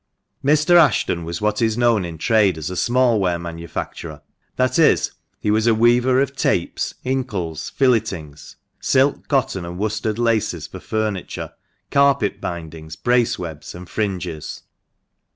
Mr. Ashton was what is known in trade as a small ware manu facturer— that is, he was a weaver of tapes, inkles, filletings ; silk, cotton, and worsted laces (for furniture) ; carpet bindings, brace webs, and fringes.